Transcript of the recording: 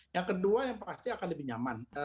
yang kedua yang pasti akan lebih nyaman